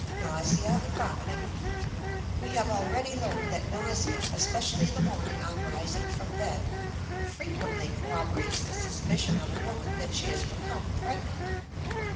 NAUSEA AND VOMITING. We have already learned that nausea, especially in the morning on rising from bed, frequently corroborates the suspicion of a woman that she has become pregnant.